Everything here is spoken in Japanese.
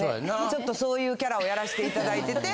ちょっとそういうキャラをやらしていただいてて。